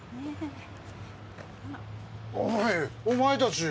おいお前たち。